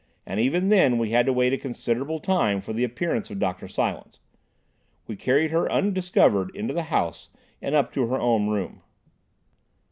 And, even then, we had to wait a considerable time for the appearance of Dr. Silence. We carried her undiscovered into the house and up to her own room.